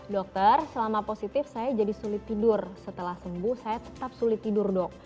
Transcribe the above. dokter selama positif saya jadi sulit tidur setelah sembuh saya tetap sulit tidur dok